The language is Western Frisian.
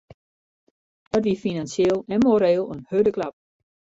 Dat wie finansjeel en moreel in hurde klap.